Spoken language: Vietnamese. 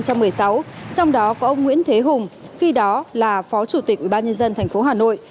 trong đó có ông nguyễn thế hùng khi đó là phó chủ tịch ubnd tp hà nội